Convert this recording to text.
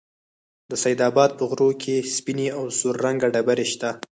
د سيدآباد په غرو كې سپينې او سور رنگه ډبرې شته